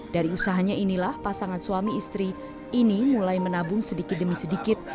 dari usahanya inilah pasangan suami istri ini mulai menabung sedikit demi sedikit